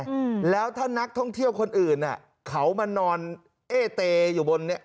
อืมแล้วถ้านักท่องเที่ยวคนอื่นอ่ะเขามานอนเอเตอยู่บนเนี้ย